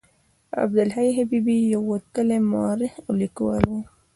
عبدالحي حبیبي یو وتلی مورخ او لیکوال و.